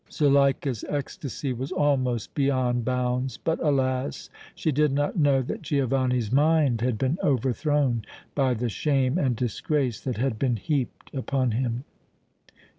Zuleika's ecstasy was almost beyond bounds; but alas! she did not know that Giovanni's mind had been overthrown by the shame and disgrace that had been heaped upon him!